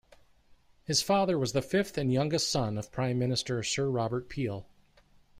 His father was the fifth and youngest son of Prime Minister Sir Robert Peel.